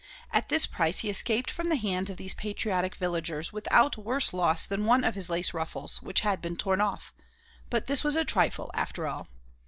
At this price he escaped from the hands of these patriotic villagers without worse loss than one of his lace ruffles, which had been torn off; but this was a trifle after all.